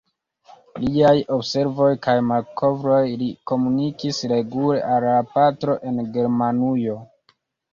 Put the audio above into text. Liaj observoj kaj malkovroj li komunikis regule al la patro en Germanujo.